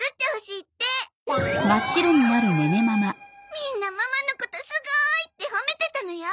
みんなママのことすごいって褒めてたのよ。